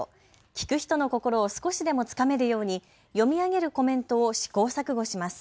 聞く人の心を少しでもつかめるように読み上げるコメントを試行錯誤します。